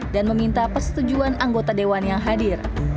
dan meminta persetujuan anggota dewan yang hadir